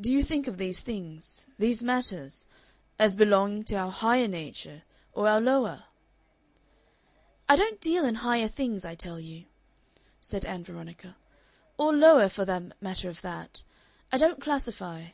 "Do you think of these things these matters as belonging to our Higher Nature or our Lower?" "I don't deal in Higher Things, I tell you," said Ann Veronica, "or Lower, for the matter of that. I don't classify."